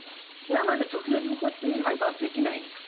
生で直接、こうやって見ることはできないんだ。